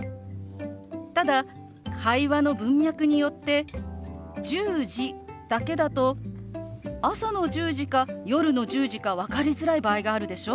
ただ会話の文脈によって「１０時」だけだと朝の１０時か夜の１０時か分かりづらい場合があるでしょ？